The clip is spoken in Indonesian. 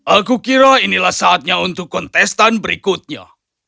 aku kira inilah saatnya untuk kontestan berikutnya